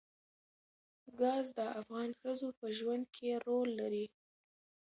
ګاز د افغان ښځو په ژوند کې رول لري.